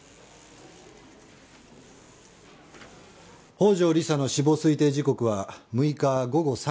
宝城理沙の死亡推定時刻は６日午後３時から５時。